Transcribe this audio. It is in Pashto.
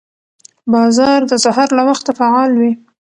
بازار د سهار له وخته فعال وي